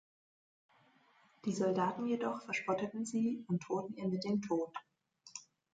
Die Soldaten jedoch verspotteten sie und drohten Ihr mit dem Tod.